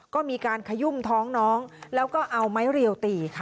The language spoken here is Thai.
ก็มีการขยุ่มท้องน้องแล้วก็เอาไม้เรียวตีค่ะ